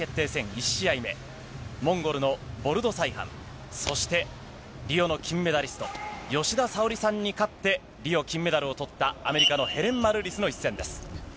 １試合目、モンゴルのボルドサイハン、リオの金メダリスト、吉田沙保里さんに勝ってリオ金メダルをとったアメリカのヘレン・マルーリスの一戦です。